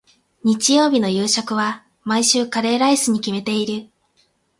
日曜日の夕食は、毎週カレーライスに決めている。